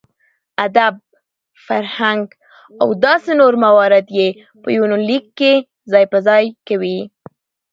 اداب ،فرهنګ او داسې نور موارد يې په يونليک کې ځاى په ځاى کوي .